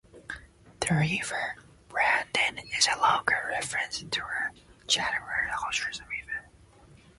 The "River" branding is a local reference to the Chattahoochee River.